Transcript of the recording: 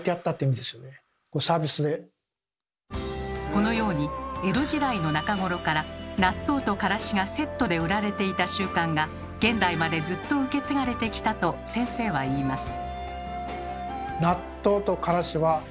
このように江戸時代の中頃から納豆とからしがセットで売られていた習慣が現代までずっと受け継がれてきたと先生は言います。